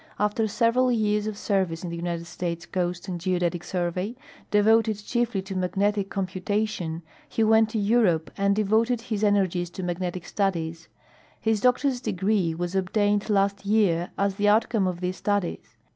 After several years of service in the United States Coast and Geodetic Survey, devoted chiefly to magnetic computa tion, he went to Europe and devoted his energies to magnetic studies. Ilis doctor's degree was obtained last year, as the outcome of these studies.